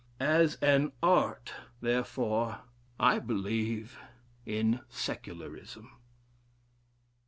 As an art, therefore, I believe in Secularism."